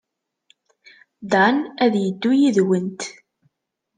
Dan ad yeddu yid-went.